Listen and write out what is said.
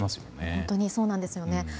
本当にそうなんですよね。